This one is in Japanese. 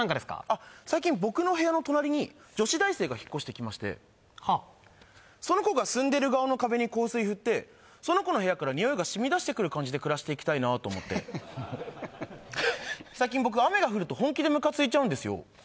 あっ最近僕の部屋の隣に女子大生が引っ越してきましてはあその子が住んでる側の壁に香水振ってその子の部屋からニオイがしみ出してくる感じで暮らしていきたいなと思って最近僕雨が降ると本気でムカついちゃうんですよ